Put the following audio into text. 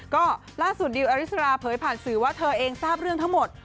ก็ล่าสุดดิวอริสราเผยผ่านสื่อว่าเธอเองทราบเรื่องทั้งหมด